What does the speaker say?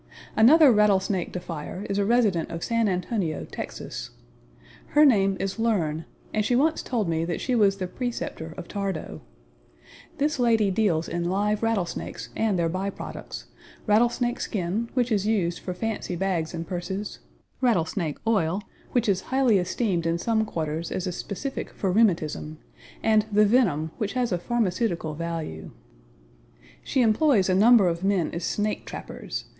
Another rattle snake defier is a resident of San Antonio, Texas. Her name is Learn, and she once told me that she was the preceptor of Thardo. This lady deals in live rattle snakes and their by products rattle snake skin, which is used for fancy bags and purses; rattle snake oil, which is highly esteemed in some quarters as a specific for rheumatism; and the venom, which has a pharmaceutical value. She employs a number of men as snake trappers.